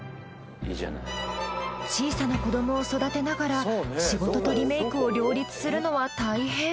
小さな子どもを育てながら仕事とリメイクを両立するのは大変。